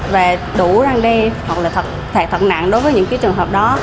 và đủ răng đe hoặc là thật nặng đối với những cái trường hợp đó